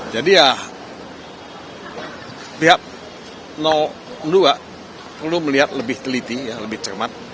jadi ya pihak dua perlu melihat lebih teliti lebih cermat